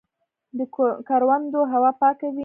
د کروندو هوا پاکه وي.